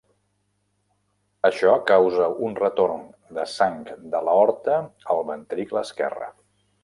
Això causa un retorn de sang de l'aorta al ventricle esquerre.